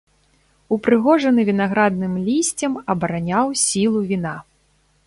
Упрыгожаны вінаградным лісцем абараняў сілу віна.